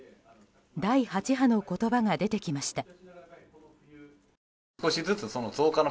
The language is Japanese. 第８波の言葉が出てきました。